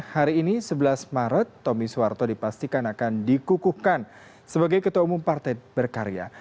hari ini sebelas maret tommy soeharto dipastikan akan dikukuhkan sebagai ketua umum partai berkarya